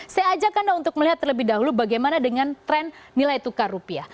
saya ajak anda untuk melihat terlebih dahulu bagaimana dengan tren nilai tukar rupiah